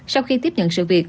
sau khi tiếp nhận sự việc